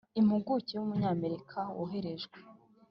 impuguke y'umunyamerika woherejwe